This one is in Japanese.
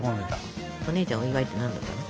お姉ちゃんお祝いって何だったの？